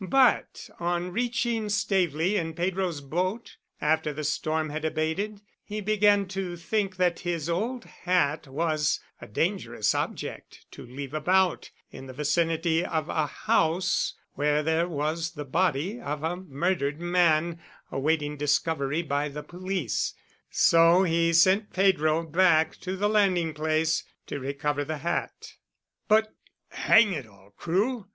But on reaching Staveley in Pedro's boat, after the storm had abated, he began to think that his old hat was a dangerous object to leave about in the vicinity of a house where there was the body of a murdered man awaiting discovery by the police, so he sent Pedro back to the landing place to recover the hat." "But, hang it all, Crewe!